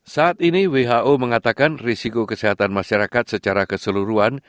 saat ini who mengatakan risiko kesehatan masyarakat secara keseluruhan